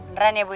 beneran ya bu ya